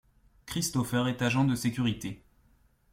Kristofer est agent de sécurité.